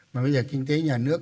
mà bây giờ kinh tế nhà nước